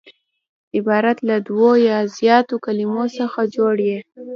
عبارت له دوو یا زیاتو کليمو څخه جوړ يي.